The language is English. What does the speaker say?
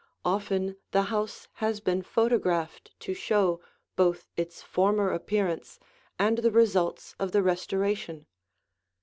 Often the house has been photographed to show both its former appearance and the results of the restoration.